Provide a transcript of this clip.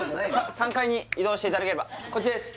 ３階に移動していただければこちらです